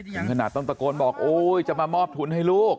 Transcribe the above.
ถึงขนาดต้องตะโกนบอกโอ๊ยจะมามอบทุนให้ลูก